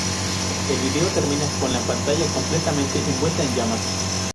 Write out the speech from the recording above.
El vídeo termina con la pantalla completamente envuelta en llamas.